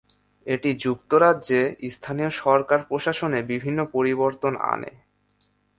এটি যুক্তরাজ্যে স্থানীয় সরকার প্রশাসনে বিভিন্ন পরিবর্তন আনে।